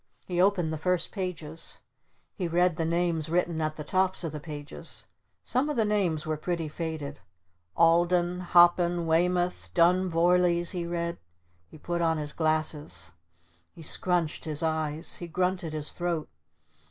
He opened the first pages. He read the names written at the tops of the pages. Some of the names were pretty faded. "Alden, Hoppin, Weymoth, Dun Vorlees," he read. He put on his glasses. He scrunched his eyes. He grunted his throat.